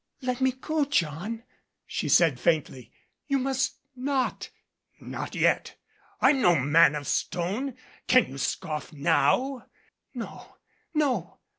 "Let me go, John," she said faintly. "You must not " "Not yet. I'm no man of stone. Can you scoff now?" "No, no.